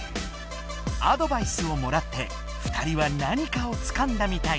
アドバイスをもらってふたりは何かをつかんだみたい。